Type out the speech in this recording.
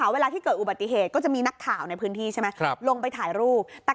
เวลาที่เกิดอุบัติเหตุก็จะมีนักข่าวในพื้นที่ใช่ไหมลงไปถ่ายรูป